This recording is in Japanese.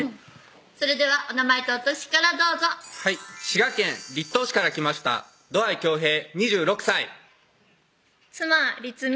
それではお名前とお歳からどうぞはい滋賀県栗東市から来ました土合恭平２６歳妻・りつみ